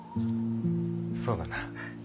そうだな。